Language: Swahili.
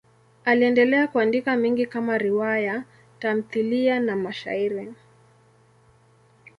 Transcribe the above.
Aliendelea kuandika mengi kama riwaya, tamthiliya na mashairi.